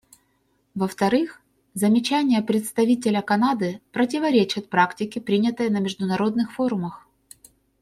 Во-вторых, замечания представителя Канады противоречат практике, принятой на международных форумах.